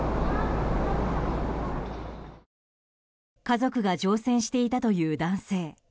家族が乗船していたという男性。